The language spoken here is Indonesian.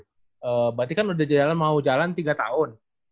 berarti kan udah mau jalan tiga tahun